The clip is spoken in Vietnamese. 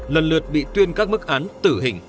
lần lượt bị tuyên các bức án tử hình